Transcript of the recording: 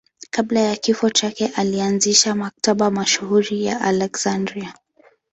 Kabla ya kifo chake alianzisha Maktaba mashuhuri ya Aleksandria.